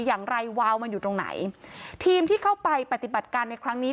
อย่างไรวาวมันอยู่ตรงไหนทีมที่เข้าไปปฏิบัติการในครั้งนี้